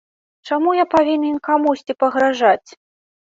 Чаму я павінен камусьці пагражаць?